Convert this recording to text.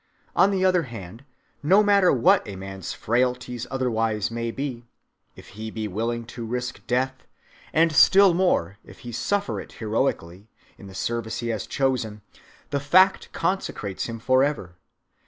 On the other hand, no matter what a man's frailties otherwise may be, if he be willing to risk death, and still more if he suffer it heroically, in the service he has chosen, the fact consecrates him forever.